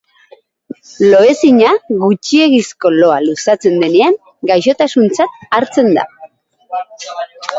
Loezina gutxiegizko loa luzatzen denean gaixotasuntzat hartzen da.